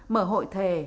mở hội thề